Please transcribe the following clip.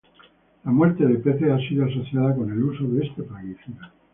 Las muertes de peces han sido asociadas con el uso de este plaguicida.